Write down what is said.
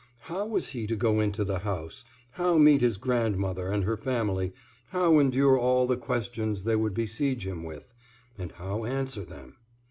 How was he to go into the house, how meet his grandmother and her family, how endure all the questions they would besiege him with, and how answer them?